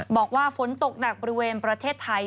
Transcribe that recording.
บอกว่าฝนตกหนักบริเวณประเทศไทย